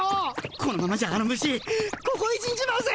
このままじゃあの虫こごえ死んじまうぜ！